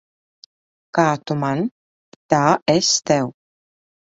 Kā tu man, tā es tev.